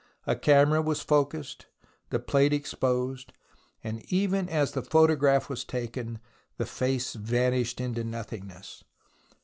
A camera was focused, the plate exposed, and even as the photograph was taken the face vanished into nothingness.